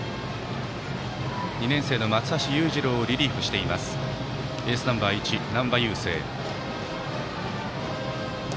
２年生の松橋裕次郎をリリーフしているエースナンバー１、難波佑聖。